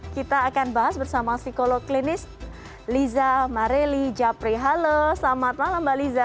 kita akan bahas bersama psikolog klinis liza mareli japri halo selamat malam mbak liza